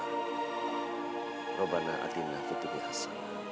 nubana adinna fitihihassana